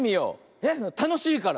えったのしいから。